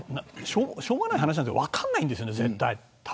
しょうがない話なんですよ分からないんですよ、絶対。